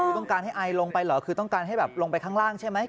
คือต้องการให้ไอลงไปเหรอคือต้องการให้แบบลงไปข้างล่างใช่ไหม